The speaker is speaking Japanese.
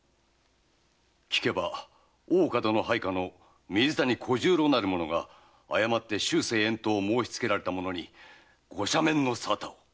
聞けば大岡殿配下の水谷小十郎なるものが誤って終生遠島申しつけられた者にご赦免の沙汰を。